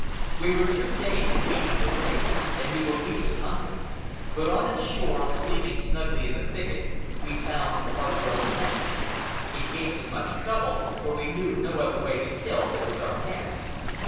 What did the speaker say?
We were two days in gaining the lake, and we were weak with hunger; but on its shore, sleeping snugly in a thicket, we found a part grown calf. It gave us much trouble, for we knew no other way to kill than with our hands.